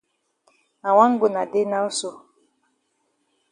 I wan go na dey now so.